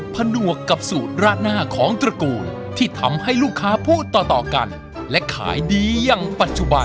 ผนวกกับสูตรราดหน้าของตระกูลที่ทำให้ลูกค้าพูดต่อต่อกันและขายดีอย่างปัจจุบัน